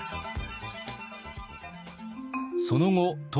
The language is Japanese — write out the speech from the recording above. その後唐